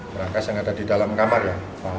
berakas yang ada di dalam kamar ya